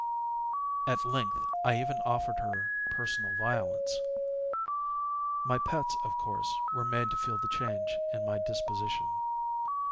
At length, I even offered her personal violence. My pets, of course, were made to feel the change in my disposition.